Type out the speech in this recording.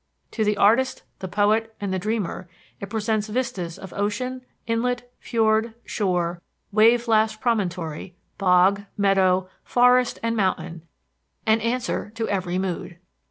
To the artist, the poet, and the dreamer it presents vistas of ocean, inlet, fiord, shore, wave lashed promontory, bog, meadow, forest, and mountain an answer to every mood.